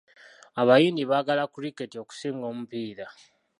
Abayindi baagala kuliketi okusinga omupiira.